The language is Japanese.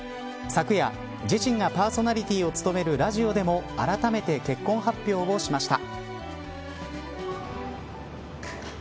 昨夜、自身がパーソナリティーを務めるラジオでもあらためて結婚発表しました。